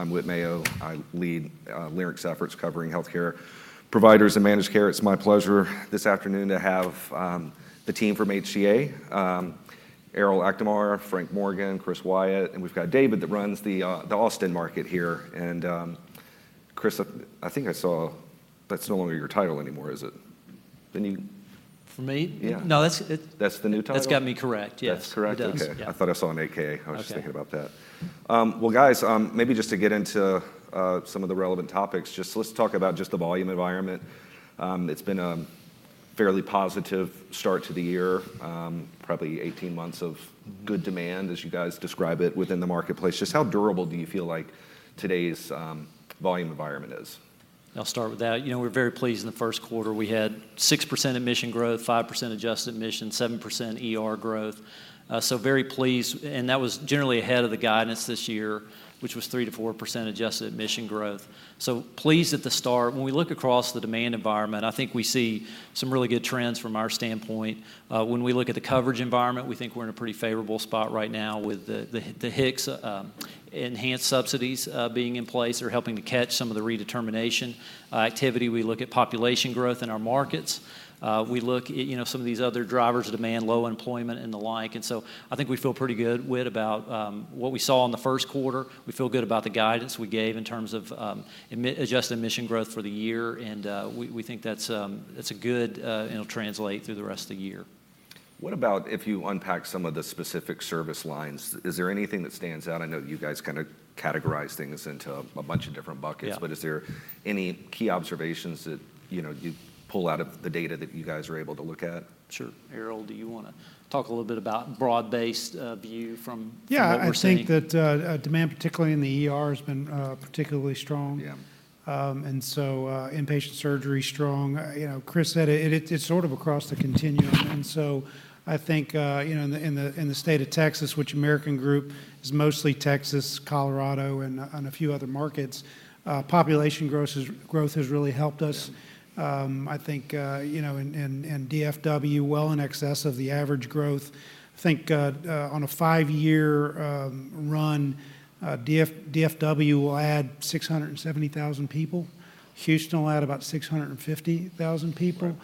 I'm Whit Mayo. I lead, Leerink's efforts covering healthcare providers and managed care. It's my pleasure this afternoon to have, the team from HCA: Erol Akdamar, Frank Morgan, Chris Wyatt, and we've got David that runs the, the Austin market here. And, Chris, I think I saw that's no longer your title anymore, is it? Didn't you? For me? Yeah. No, that's it- That's the new title? That's got me correct, yes. That's correct? It does. Okay. Yeah. I thought I saw an HCA. Okay. I was just thinking about that. Well, guys, maybe just to get into some of the relevant topics, just let's talk about just the volume environment. It's been a fairly positive start to the year, probably 18 months of good demand, as you guys describe it, within the marketplace. Just how durable do you feel like today's volume environment is? I'll start with that. You know, we're very pleased in the Q1. We had 6% admission growth, 5% adjusted admission, 7% ER growth. So very pleased, and that was generally ahead of the guidance this year, which was 3%-4% adjusted admission growth, so pleased at the start. When we look across the demand environment, I think we see some really good trends from our standpoint. When we look at the coverage environment, we think we're in a pretty favorable spot right now with the HIX's enhanced subsidies being in place are helping to catch some of the redetermination activity. We look at population growth in our markets. We look at, you know, some of these other drivers of demand, low employment and the like. And so I think we feel pretty good, Whit, about what we saw in the Q1. We feel good about the guidance we gave in terms of adjusted admission growth for the year, and we think that's a good. It'll translate through the rest of the year. What about if you unpack some of the specific service lines? Is there anything that stands out? I know you guys kinda categorize things into a bunch of different buckets? Yeah But is there any key observations that, you know, you pull out of the data that you guys are able to look at? Sure. Erol, do you wanna talk a little bit about broad-based view from. Yeah What we're seeing? I think that demand, particularly in the ER, has been particularly strong. Yeah. And so, inpatient surgery is strong. You know, Chris said it, and it, it's sort of across the continuum. And so I think, you know, in the state of Texas, which American Group is mostly Texas, Colorado, and a few other markets, population growth has really helped us. I think, you know, in DFW, well in excess of the average growth, I think, on a five-year run, DFW will add 670,000 people. Houston will add about 650,000 people.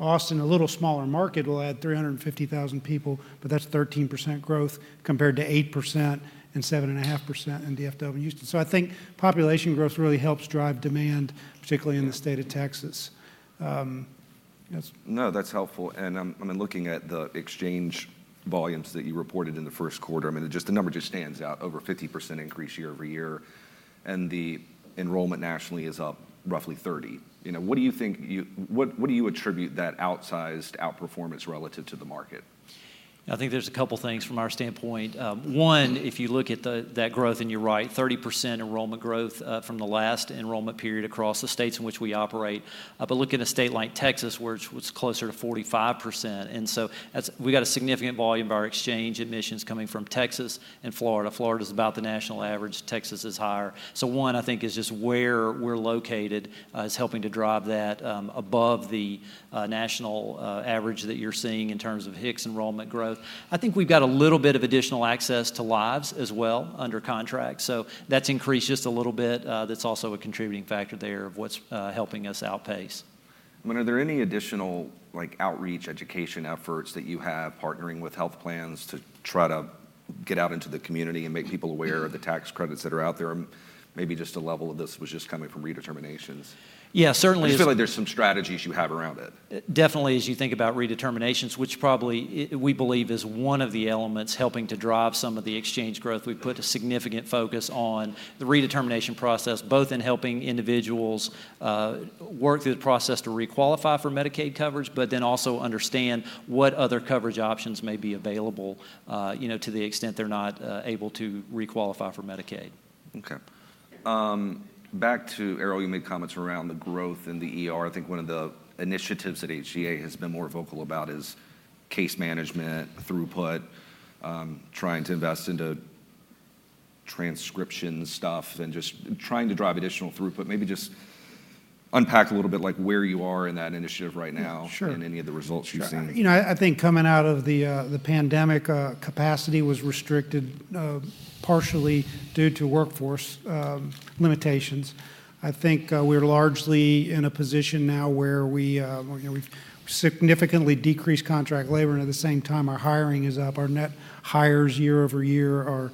Austin, a little smaller market, will add 350,000 people, but that's 13% growth compared to 8% and 7.5% in DFW and Houston. I think population growth really helps drive demand, particularly- Yeah in the state of Texas. Yes. No, that's helpful, and I mean, looking at the exchange volumes that you reported in the Q1, I mean, it just, the number just stands out, over 50% increase year-over-year, and the enrollment nationally is up roughly 30%. You know, what do you think you... What do you attribute that outsized outperformance relative to the market? I think there's a couple things from our standpoint. One, if you look at that growth, and you're right, 30% enrollment growth from the last enrollment period across the states in which we operate. But look in a state like Texas, where it's closer to 45%, and so that's... We got a significant volume of our exchange admissions coming from Texas and Florida. Florida is about the national average. Texas is higher. So one, I think, is just where we're located is helping to drive that above the national average that you're seeing in terms of HIX enrollment growth. I think we've got a little bit of additional access to lives as well, under contract, so that's increased just a little bit. That's also a contributing factor there of what's helping us outpace. I mean, are there any additional, like, outreach education efforts that you have, partnering with health plans to try to get out into the community and make people aware of the tax credits that are out there? Maybe just a level of this was just coming from redeterminations. Yeah, certainly. I just feel like there's some strategies you have around it. Definitely, as you think about redeterminations, which probably, we believe, is one of the elements helping to drive some of the exchange growth. We've put a significant focus on the redetermination process, both in helping individuals work through the process to requalify for Medicaid coverage, but then also understand what other coverage options may be available, you know, to the extent they're not able to requalify for Medicaid. Okay. Back to Erol, you made comments around the growth in the ER. I think one of the initiatives that HCA has been more vocal about is case management, throughput, trying to invest into transcription stuff, and just trying to drive additional throughput. Maybe just unpack a little bit like where you are in that initiative right now? Yeah, sure And any of the results you've seen? Coming out of the pandemic, capacity was restricted partially due to workforce limitations. I think, we're largely in a position now where we, you know, we've significantly decreased contract labor, and at the same time, our hiring is up. Our net hires year-over-year are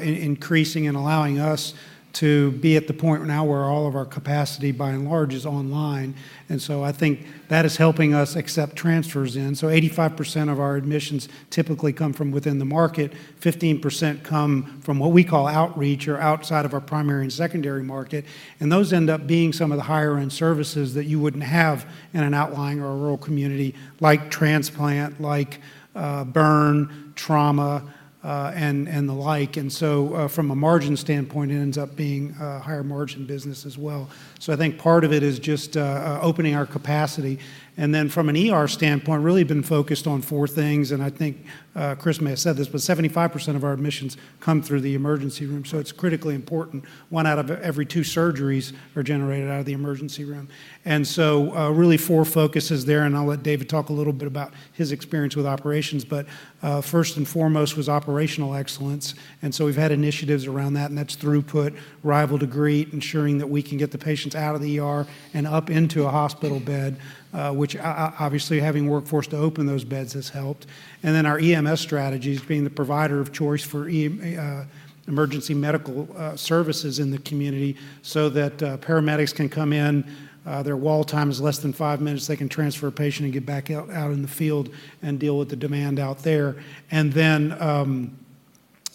increasing and allowing us to be at the point now where all of our capacity, by and large, is online. And so I think that is helping us accept transfers in. So 85% of our admissions typically come from within the market, 15% come from what we call outreach or outside of our primary and secondary market, and those end up being some of the higher-end services that you wouldn't have in an outlying or a rural community, like transplant, like burn, trauma, and the like. From a margin standpoint, it ends up being a higher margin business as well. I think part of it is just opening our capacity, and then from an ER standpoint, really been focused on four things, and I think Chris may have said this, but 75% of our admissions come through the emergency room, so it's critically important. One out of every two surgeries are generated out of the emergency room. Really four focuses there, and I'll let David talk a little bit about his experience with operations, but first and foremost was operational excellence, and so we've had initiatives around that, and that's throughput, arrival to greet, ensuring that we can get the patients out of the ER and up into a hospital bed, which obviously having workforce to open those beds has helped. And then our EMS strategies being the provider of choice for emergency medical services in the community so that paramedics can come in, their wall time is less than five minutes. They can transfer a patient and get back out in the field and deal with the demand out there. And then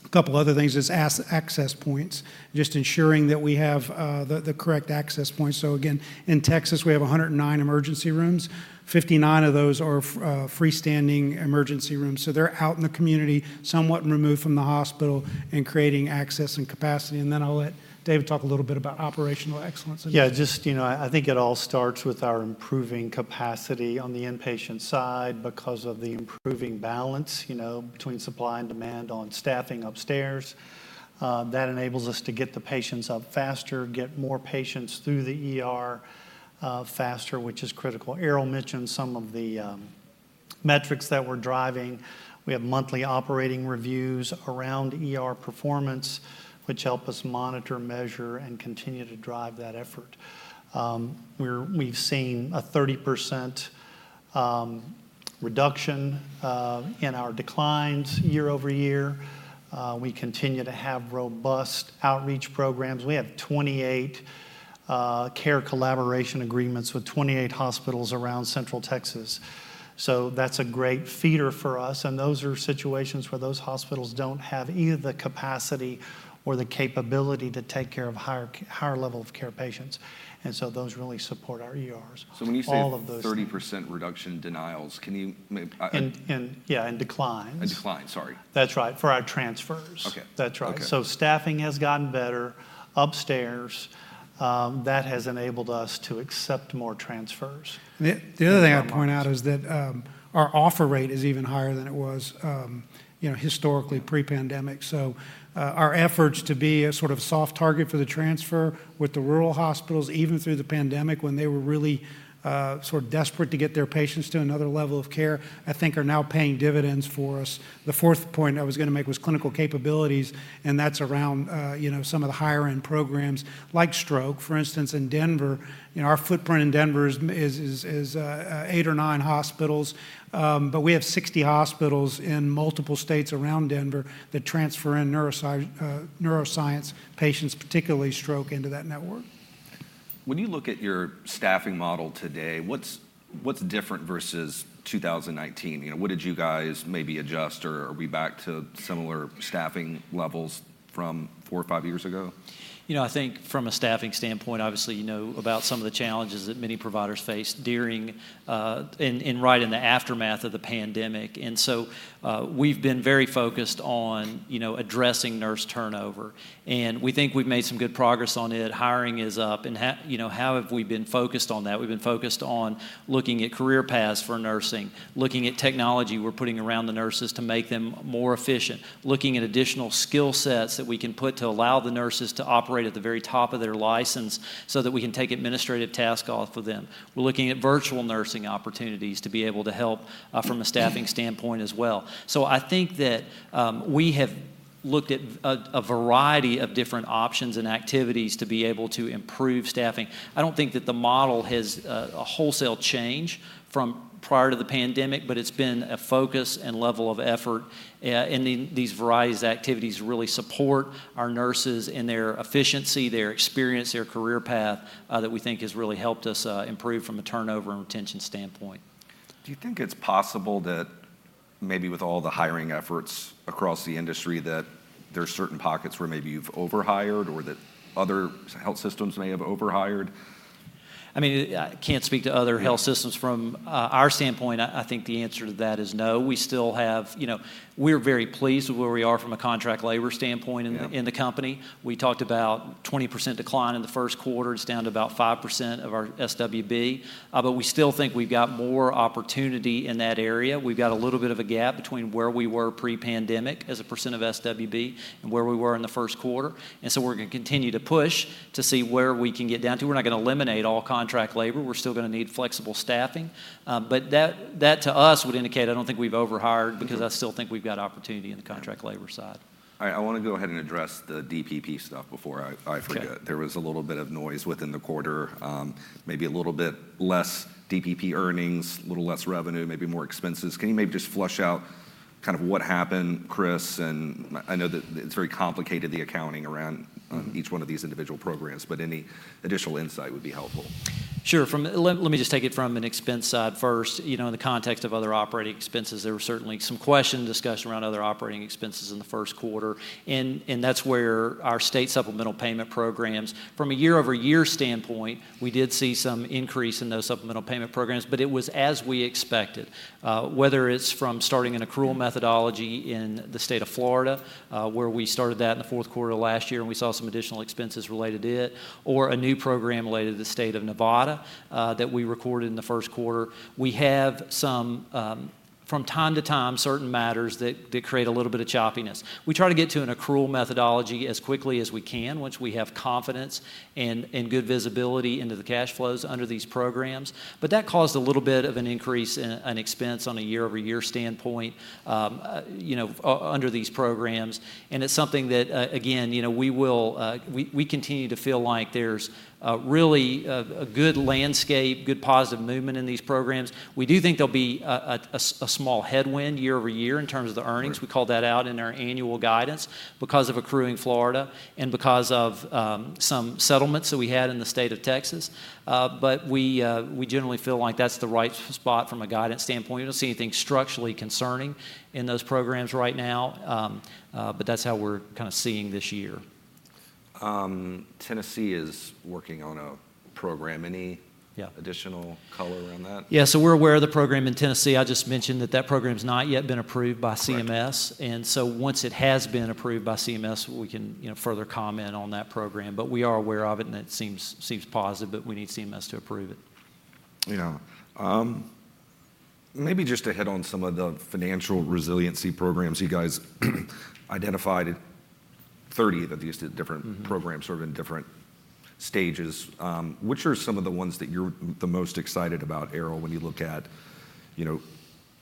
a couple other things is access points, just ensuring that we have the correct access points. So again, in Texas, we have 109 emergency rooms. 59 of those are freestanding emergency rooms, so they're out in the community, somewhat removed from the hospital, and creating access and capacity, and then I'll let David talk a little bit about operational excellence. Yeah, just, you know, I think it all starts with our improving capacity on the inpatient side because of the improving balance, you know, between supply and demand on staffing upstairs. That enables us to get the patients up faster, get more patients through the ER faster, which is critical. Erol mentioned some of the metrics that we're driving. We have monthly operating reviews around ER performance, which help us monitor, measure, and continue to drive that effort. We've seen a 30% reduction in our declines year-over-year. We continue to have robust outreach programs. We have 28 care collaboration agreements with 28 hospitals around Central Texas, so that's a great feeder for us, and those are situations where those hospitals don't have either the capacity or the capability to take care of higher level of care patients, and so those really support our ERs. So when you say. All of those. 30% reduction denials, can you may In declines. In declines, sorry. That's right, for our transfers. Okay. That's right. Okay. Staffing has gotten better upstairs. That has enabled us to accept more transfers. The other thing I'd point out is that, our offer rate is even higher than it was, you know, historically pre-pandemic. So, our efforts to be a sort of soft target for the transfer with the rural hospitals, even through the pandemic when they were really, sort of desperate to get their patients to another level of care, I think are now paying dividends for us. The fourth point I was gonna make was clinical capabilities, and that's around, you know, some of the higher-end programs, like stroke, for instance, in Denver. You know, our footprint in Denver is 8 or 9 hospitals, but we have 60 hospitals in multiple states around Denver that transfer in neuroscience patients, particularly stroke, into that network. When you look at your staffing model today, what's different versus 2019? You know, what did you guys maybe adjust, or are we back to similar staffing levels from four or five years ago? You know, I think from a staffing standpoint, obviously, you know about some of the challenges that many providers faced during and right in the aftermath of the pandemic, and so, we've been very focused on, you know, addressing nurse turnover, and we think we've made some good progress on it. Hiring is up, and how, you know, how have we been focused on that? We've been focused on looking at career paths for nursing, looking at technology we're putting around the nurses to make them more efficient, looking at additional skill sets that we can put to allow the nurses to operate at the very top of their license so that we can take administrative tasks off of them. We're looking at virtual nursing opportunities to be able to help from a staffing standpoint as well. So I think that we have looked at a variety of different options and activities to be able to improve staffing. I don't think that the model has a wholesale change from prior to the pandemic, but it's been a focus and level of effort, and these varieties of activities really support our nurses and their efficiency, their experience, their career path, that we think has really helped us improve from a turnover and retention standpoint. Do you think it's possible that maybe with all the hiring efforts across the industry, that there's certain pockets where maybe you've overhired or that other health systems may have overhired? I mean, I can't speak to other health systems. Yeah. From our standpoint, I think the answer to that is no. We still have... You know, we're very pleased with where we are from a contract labor standpoint in the- Yeah In the company. We talked about 20% decline in the Q1. It's down to about 5% of our SWB, but we still think we've got more opportunity in that area. We've got a little bit of a gap between where we were pre-pandemic as a percent of SWB and where we were in the Q1, and so we're gonna continue to push to see where we can get down to. We're not gonna eliminate all contract labor. We're still gonna need flexible staffing, but that, that, to us, would indicate I don't think we've overhired because I still think we've got opportunity in the contract labor side. All right, I want to go ahead and address the DPP stuff before I forget. Sure. There was a little bit of noise within the quarter, maybe a little bit less DPP earnings, a little less revenue, maybe more expenses. Can you maybe just flesh out kind of what happened, Chris? And I know that it's very complicated, the accounting around each one of these individual programs, but any additional insight would be helpful. Sure. Let me just take it from an expense side first. You know, in the context of other operating expenses, there were certainly some questions discussed around other operating expenses in the Q1, and that's where our state supplemental payment programs, from a year-over-year standpoint, we did see some increase in those supplemental payment programs, but it was as we expected. Whether it's from starting an accrual methodology in the state of Florida, where we started that in the Q4 of last year, and we saw some additional expenses related to it, or a new program related to the state of Nevada, that we recorded in the Q1. We have some, from time to time, certain matters that create a little bit of choppiness. We try to get to an accrual methodology as quickly as we can, once we have confidence and good visibility into the cash flows under these programs, but that caused a little bit of an increase in an expense on a year-over-year standpoint, you know, under these programs, and it's something that, again, you know, we will. We continue to feel like there's really a small headwind year-over-year in terms of the earnings. Sure. We called that out in our annual guidance because of accruing Florida and because of some settlements that we had in the state of Texas. But we generally feel like that's the right spot from a guidance standpoint. We don't see anything structurally concerning in those programs right now, but that's how we're kind of seeing this year. Tennessee is working on a program. Any- Yeah additional color on that? Yeah, so we're aware of the program in Tennessee. I just mentioned that that program's not yet been approved by CMS. Right. Once it has been approved by CMS, we can, you know, further comment on that program. We are aware of it, and it seems positive, but we need CMS to approve it. Yeah. Maybe just to hit on some of the financial resiliency programs you guys identified, 30 of these different programs are in different stages. Which are some of the ones that you're the most excited about, Erol, when you look at, you know,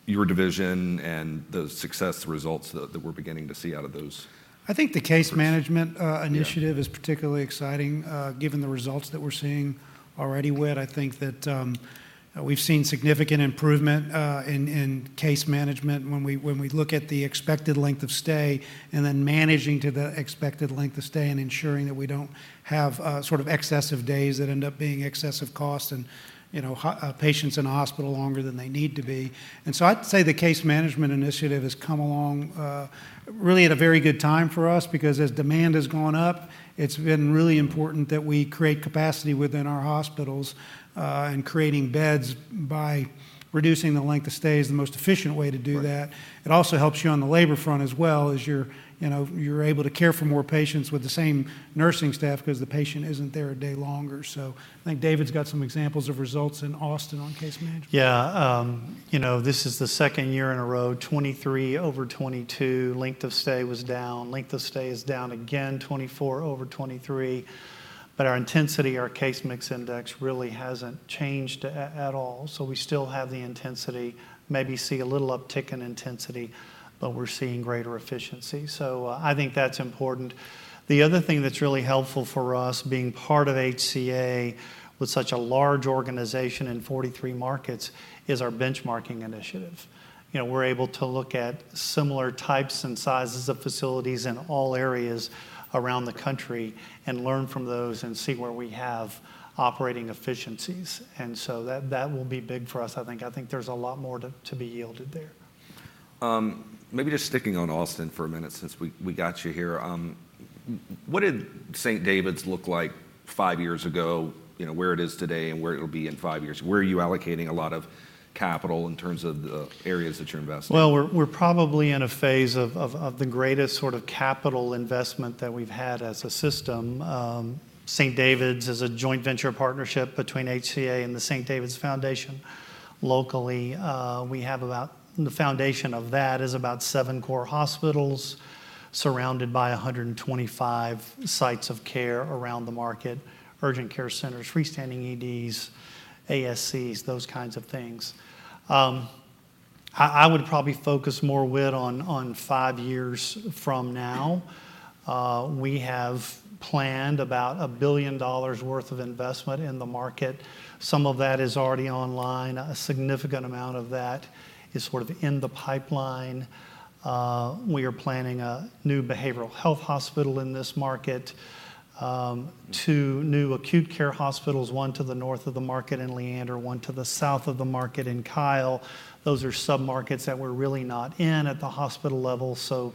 your division and the success results that we're beginning to see out of those? I think the case management initiative- Yeah Is particularly exciting, given the results that we're seeing already, Whit. I think that we've seen significant improvement in case management when we look at the expected length of stay, and then managing to the expected length of stay, and ensuring that we don't have sort of excessive days that end up being excessive cost and, you know, holding patients in a hospital longer than they need to be. And so I'd say the case management initiative has come along really at a very good time for us, because as demand has gone up, it's been really important that we create capacity within our hospitals. And creating beds by reducing the length of stay is the most efficient way to do that. Right. It also helps you on the labor front as well, as you're, you know, you're able to care for more patients with the same nursing staff because the patient isn't there a day longer. So I think David's got some examples of results in Austin on case management. Yeah, you know, this is the second year in a row, 2023 over 2022, length of stay was down. Length of stay is down again, 2024 over 2023. But our intensity, our case mix index, really hasn't changed at all. So we still have the intensity, maybe see a little uptick in intensity, but we're seeing greater efficiency, so I think that's important. The other thing that's really helpful for us, being part of HCA with such a large organization in 43 markets, is our benchmarking initiative. You know, we're able to look at similar types and sizes of facilities in all areas around the country and learn from those and see where we have operating efficiencies, and so that will be big for us, I think. I think there's a lot more to be yielded there. Maybe just sticking on Austin for a minute since we got you here. What did St. David's look like five years ago, you know, where it is today, and where it'll be in five years? Where are you allocating a lot of capital in terms of the areas that you're investing? Well, we're probably in a phase of the greatest sort of capital investment that we've had as a system. St. David's is a joint venture partnership between HCA and the St. David's Foundation. Locally, we have about. The foundation of that is about seven core hospitals, surrounded by 125 sites of care around the market: urgent care centers, freestanding EDs, ASCs, those kinds of things. I would probably focus more, Whit, on five years from now. We have planned about $1 billion worth of investment in the market. Some of that is already online. A significant amount of that is sort of in the pipeline. We are planning a new behavioral health hospital in this market, two new acute care hospitals, one to the north of the market in Leander, one to the south of the market in Kyle. Those are submarkets that we're really not in at the hospital level, so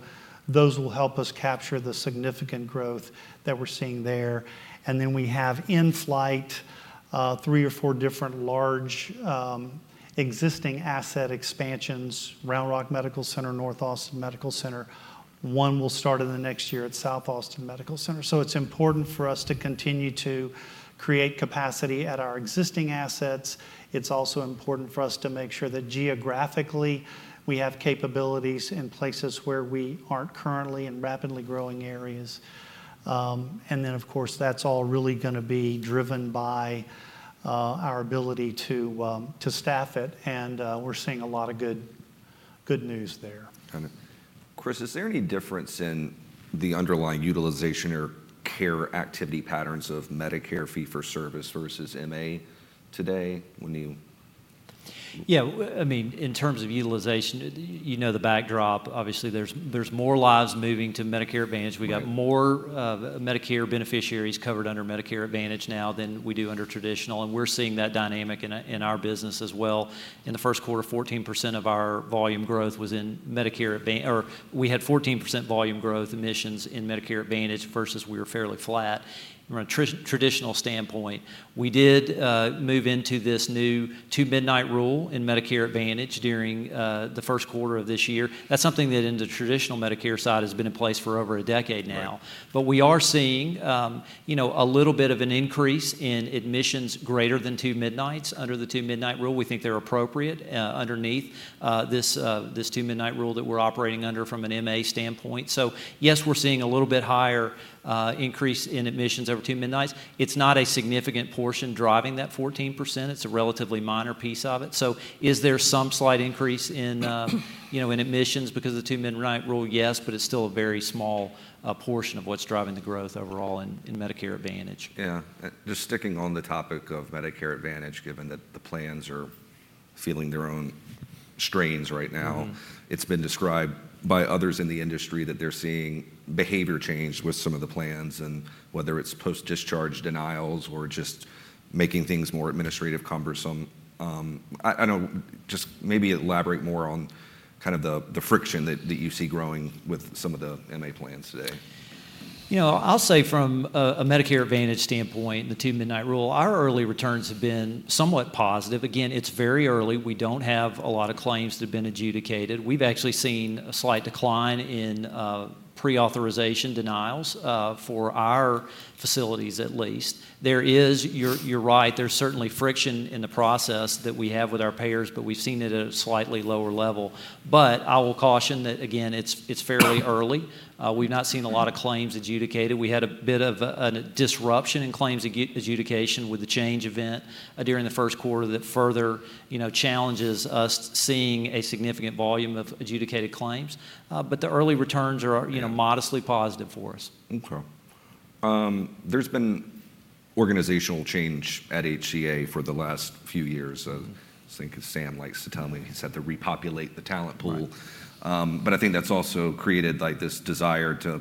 those will help us capture the significant growth that we're seeing there. And then we have in flight, three or four different large, existing asset expansions, Round Rock Medical Center, North Austin Medical Center. One will start in the next year at South Austin Medical Center. So it's important for us to continue to create capacity at our existing assets. It's also important for us to make sure that geographically, we have capabilities in places where we aren't currently in rapidly growing areas. And then, of course, that's all really gonna be driven by our ability to staff it, and we're seeing a lot of good, good news there. Kind of. Chris, is there any difference in the underlying utilization or care activity patterns of Medicare Fee-for-Service versus MA today when you- Yeah, I mean, in terms of utilization, you know the backdrop. Obviously, there's more lives moving to Medicare Advantage. Right. We got more Medicare beneficiaries covered under Medicare Advantage now than we do under traditional, and we're seeing that dynamic in our business as well. In the Q1, 14% of our volume growth was in Medicare Advantage, or we had 14% volume growth admissions in Medicare Advantage, versus we were fairly flat from a traditional standpoint. We did move into this new Two-Midnight Rule in Medicare Advantage during the Q1 of this year. That's something that in the traditional Medicare side has been in place for over a decade now. Right. But we are seeing, you know, a little bit of an increase in admissions greater than two midnights. Under the Two-Midnight Rule, we think they're appropriate, underneath, this, this Two-Midnight Rule that we're operating under from an MA standpoint. So yes, we're seeing a little bit higher, increase in admissions over two midnights. It's not a significant portion driving that 14%. It's a relatively minor piece of it. So is there some slight increase in, you know, in admissions because of the Two-Midnight Rule? Yes, but it's still a very small, portion of what's driving the growth overall in, in Medicare Advantage. Yeah. Just sticking on the topic of Medicare Advantage, given that the plans are feeling their own strains right now, it's been described by others in the industry that they're seeing behavior change with some of the plans, and whether it's post-discharge denials or just making things more administrative cumbersome. Just maybe elaborate more on kind of the friction that you see growing with some of the MA plans today. You know, I'll say from a Medicare Advantage standpoint, the Two-Midnight Rule, our early returns have been somewhat positive. Again, it's very early. We don't have a lot of claims that have been adjudicated. We've actually seen a slight decline in pre-authorization denials for our facilities at least. There is. You're right, there's certainly friction in the process that we have with our payers, but we've seen it at a slightly lower level. But I will caution that, again, it's fairly early. We've not seen a lot of claims adjudicated. We had a bit of a disruption in claims adjudication with the Change event during the Q1 that further, you know, challenges us seeing a significant volume of adjudicated claims. But the early returns are, you know, modestly positive for us. Okay. There's been organizational change at HCA for the last few years. I think as Sam likes to tell me, he's had to repopulate the talent pool. Right. But I think that's also created, like, this desire to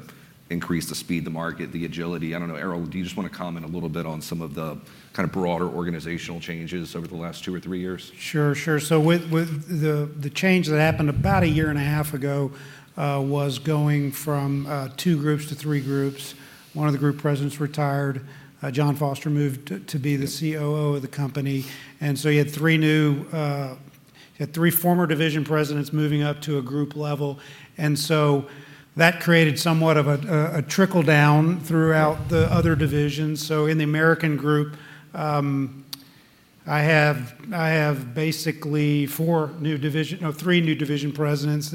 increase the speed, the market, the agility. I don't know. Erol, do you just wanna comment a little bit on some of the kind of broader organizational changes over the last two or three years? Sure. So with the change that happened about a year and a half ago was going from two groups to three groups. One of the group presidents retired. Jon Foster moved to be the COO of the company, and so you had three new. He had three former division presidents moving up to a group level, and so that created somewhat of a trickle-down throughout the other divisions. So in the American Group, I have basically four new division—no, three new division presidents.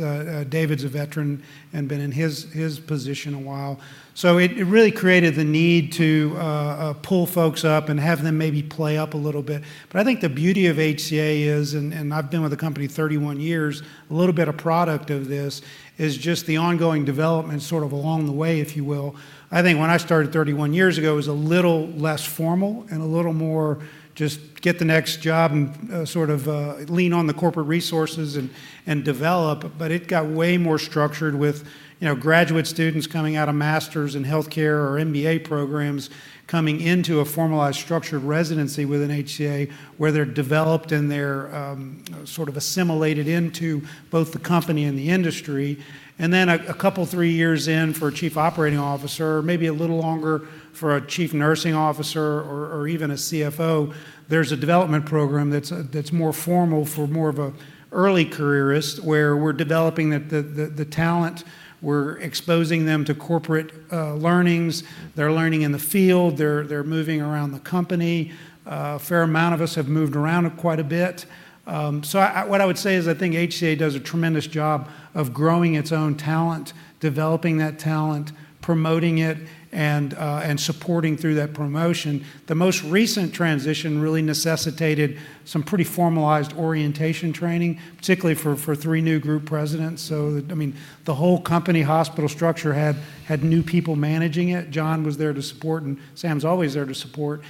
David's a veteran and been in his position a while. So it really created the need to pull folks up and have them maybe play up a little bit. But I think the beauty of HCA is, and I've been with the company 31 years, a little bit of product of this is just the ongoing development sort of along the way, if you will. I think when I started 31 years ago, it was a little less formal and a little more just get the next job and sort of lean on the corporate resources and develop. But it got way more structured with, you know, graduate students coming out of master's in healthcare or MBA programs, coming into a formalized, structured residency within HCA, where they're developed and they're sort of assimilated into both the company and the industry. Then a couple three years in, for a chief operating officer, maybe a little longer for a chief nursing officer or even a CFO, there's a development program that's more formal for more of an early careerist, where we're developing the talent. We're exposing them to corporate learnings. They're learning in the field. They're moving around the company. A fair amount of us have moved around quite a bit. So what I would say is I think HCA does a tremendous job of growing its own talent, developing that talent, promoting it, and supporting through that promotion. The most recent transition really necessitated some pretty formalized orientation training, particularly for three new group presidents. So, I mean, the whole company hospital structure had new people managing it. John was there to support, and Sam's always there to support.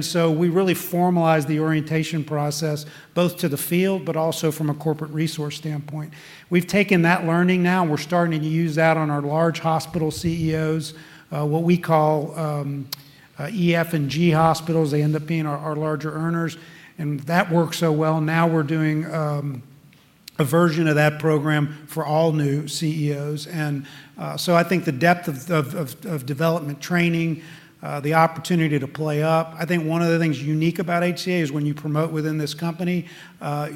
So we really formalized the orientation process, both to the field but also from a corporate resource standpoint. We've taken that learning now, and we're starting to use that on our large hospital CEOs, what we call E, F, and G hospitals. They end up being our larger earners, and that worked so well. Now we're doing a version of that program for all new CEOs, and so I think the depth of development training, the opportunity to play up... I think one of the things unique about HCA is when you promote within this company,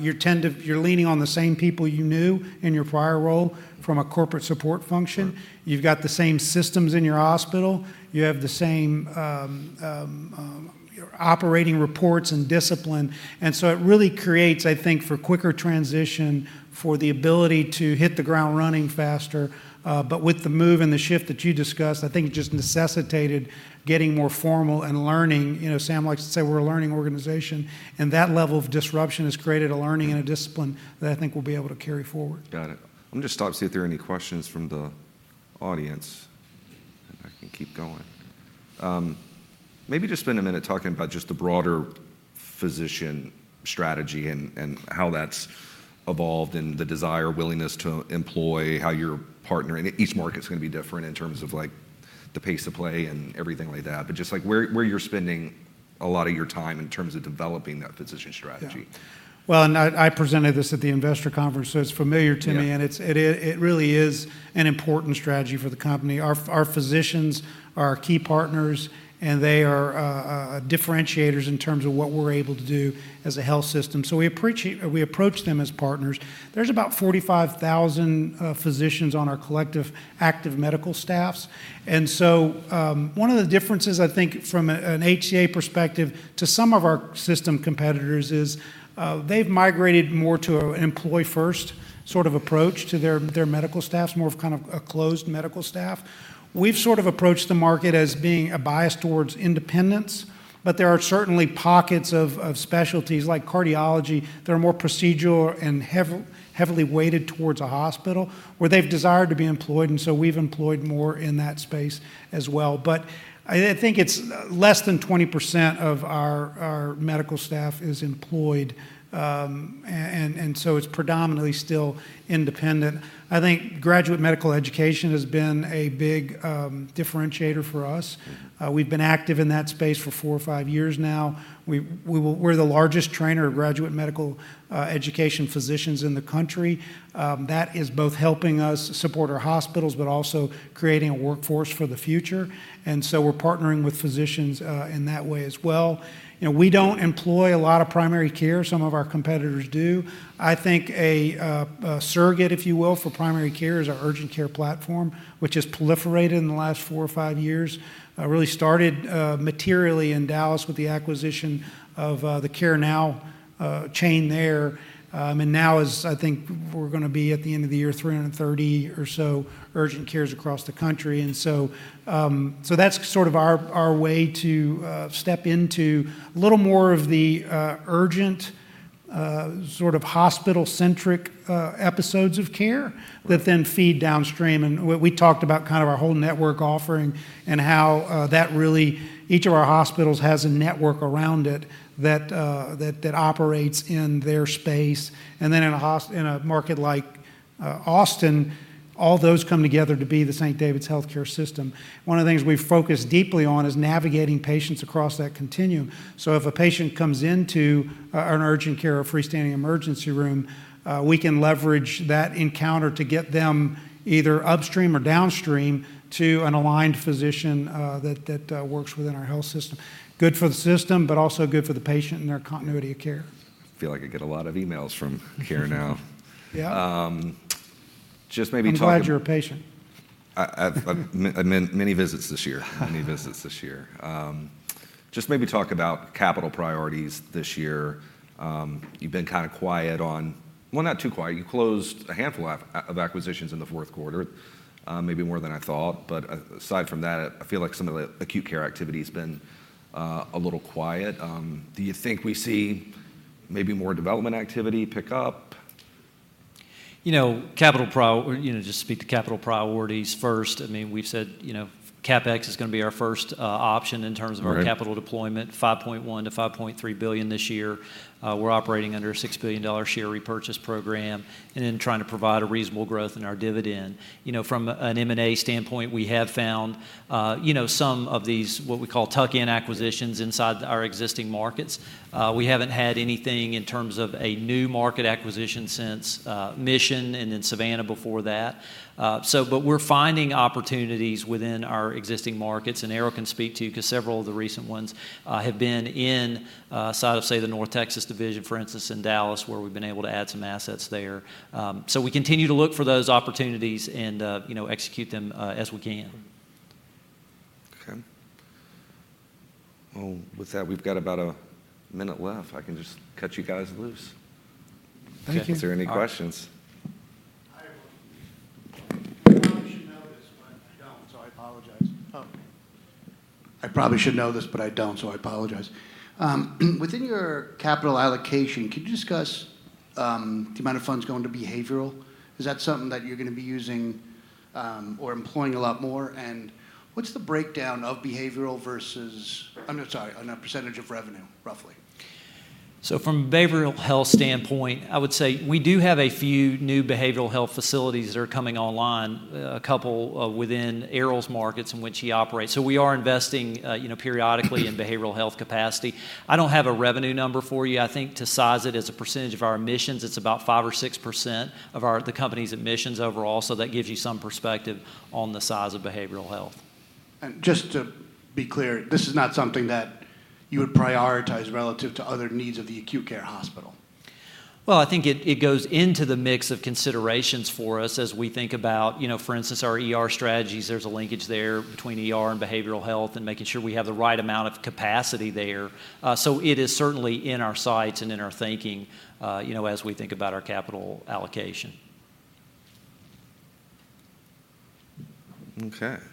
you tend to, you're leaning on the same people you knew in your prior role from a corporate support function. Sure. You've got the same systems in your hospital. You have the same operating reports and discipline, and so it really creates, I think, for quicker transition, for the ability to hit the ground running faster. But with the move and the shift that you discussed, I think it just necessitated getting more formal and learning. You know, Sam likes to say we're a learning organization, and that level of disruption has created a learning and a discipline that I think we'll be able to carry forward. Got it. Let me just stop, see if there are any questions from the audience, and I can keep going. Maybe just spend a minute talking about just the broader physician strategy and, and how that's evolved and the desire, willingness to employ, how you're partnering. Each market's gonna be different in terms of, like, the pace of play and everything like that, but just, like, where, where you're spending a lot of your time in terms of developing that physician strategy. Yeah. Well, and I, I presented this at the investor conference, so it's familiar to me. Yeah And it's, it really is an important strategy for the company. Our, our physicians are our key partners, and they are differentiators in terms of what we're able to do as a health system, so we approach them as partners. There's about 45,000 physicians on our collective active medical staffs, and so one of the differences, I think, from a, an HCA perspective to some of our system competitors is, they've migrated more to an employee-first sort of approach to their, their medical staffs, more of kind of a closed medical staff. We've sort of approached the market as being a bias towards independence, but there are certainly pockets of specialties, like cardiology, that are more procedural and heavily weighted towards a hospital, where they've desired to be employed, and so we've employed more in that space as well. But I think it's less than 20% of our medical staff is employed, and so it's predominantly still independent. I think graduate medical education has been a big differentiator for us. We've been active in that space for 4 or 5 years now. We're the largest trainer of graduate medical education physicians in the country. That is both helping us support our hospitals, but also creating a workforce for the future, and so we're partnering with physicians in that way as well. You know, we don't employ a lot of primary care. Some of our competitors do. I think a surrogate, if you will, for primary care is our urgent care platform, which has proliferated in the last four or five years. Really started materially in Dallas with the acquisition of the CareNow chain there. And now, I think we're gonna be, at the end of the year, 330 or so urgent cares across the country, and so, that's sort of our way to step into a little more of the urgent sort of hospital-centric episodes of care that then feed downstream. And we talked about kind of our whole network offering, and how that really each of our hospitals has a network around it that that operates in their space. And then in a market like Austin, all those come together to be the St. David’s HealthCare system. One of the things we focus deeply on is navigating patients across that continuum. So if a patient comes into an urgent care or freestanding emergency room, we can leverage that encounter to get them either upstream or downstream to an aligned physician that that works within our health system. Good for the system, but also good for the patient and their continuity of care. I feel like I get a lot of emails from CareNow. Yeah. Just maybe talk. I'm glad you're a patient. Many visits this year. Just maybe talk about capital priorities this year. You've been kind of quiet on, well, not too quiet. You closed a handful of acquisitions in the Q4, maybe more than I thought. But, aside from that, I feel like some of the acute care activity's been a little quiet. Do you think we see maybe more development activity pick up? You know, just speak to capital priorities first, I mean, we've said, you know, CapEx is gonna be our first option in terms of- Right our capital deployment, $5.1 to 5.3 billion this year. We're operating under a $6 billion share repurchase program, and then trying to provide a reasonable growth in our dividend. You know, from an M&A standpoint, we have found, you know, some of these, what we call tuck-in acquisitions, inside our existing markets. We haven't had anything in terms of a new market acquisition since, Mission and then Savannah before that. So but we're finding opportunities within our existing markets, and Erol can speak to, because several of the recent ones, have been in, south of, say, the North Texas Division, for instance, in Dallas, where we've been able to add some assets there. So we continue to look for those opportunities and, you know, execute them, as we can. Okay. Well, with that, we've got about a minute left. I can just cut you guys loose. Thank you. Is there any questions? I have one. I probably should know this, but I don't, so I apologize. Within your capital allocation, can you discuss the amount of funds going to behavioral? Is that something that you're gonna be using or employing a lot more, and what's the breakdown of behavioral versus... I'm sorry, on a percentage of revenue, roughly? So from a behavioral health standpoint, I would say we do have a few new behavioral health facilities that are coming online, a couple, within Erol's markets in which he operates. So we are investing, you know, periodically in behavioral health capacity. I don't have a revenue number for you. I think to size it as a percentage of our admissions, it's about 5 or 6% of our, the company's admissions overall, so that gives you some perspective on the size of behavioral health. Just to be clear, this is not something that you would prioritize relative to other needs of the acute care hospital? Well, I think it goes into the mix of considerations for us as we think about, you know, for instance, our ER strategies. There's a linkage there between ER and behavioral health and making sure we have the right amount of capacity there. So it is certainly in our sights and in our thinking, you know, as we think about our capital allocation. Okay.